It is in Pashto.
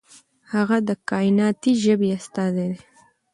هغه د کائناتي ژبې استازی دی.